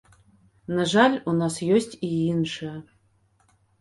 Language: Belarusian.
На жаль, у нас ёсць і іншыя.